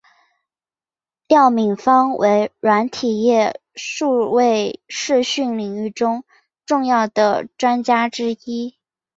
廖敏芳为软体业数位视讯领域中重要的专家之一。